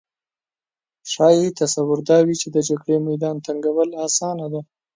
ښايي تصور دا وي چې د جګړې میدان تنګول اسانه ده